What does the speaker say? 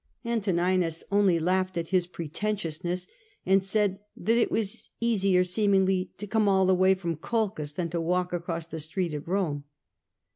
Antoninus only laughed at his pretentiousness and said that it was easier seemingly to come all the way from Colchis than to walk across the street at Rome.